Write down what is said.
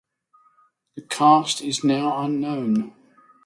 The cast is now unknown.